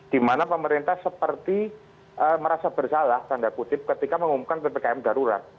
di mana pemerintah seperti merasa bersalah tanda kutip ketika mengumumkan ppkm darurat